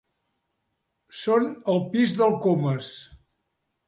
Són al pis del Comas.